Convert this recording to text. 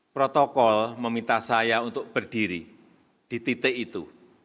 protokol meminta saya untuk berdiri di titik itu